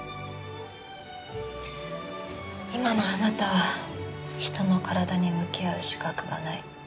今のあなたは人の体に向き合う資格がない。